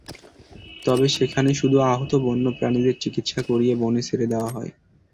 তবে সেখানে শুধু আহত বন্য প্রাণীদের চিকিৎসা করিয়ে বনে ছেড়ে দেওয়া হয়।